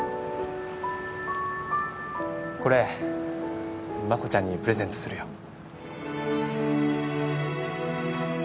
これ真子ちゃんにプレゼントするよ。